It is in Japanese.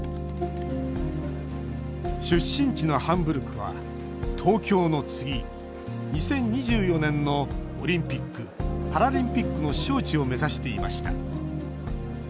出身地のハンブルクは東京の次、２０２４年のオリンピック・パラリンピックの招致を目指していました。